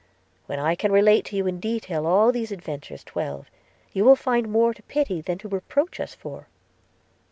– When I can relate to you in detail all these adventures 12, you will find more to pity, than to reproach us for.'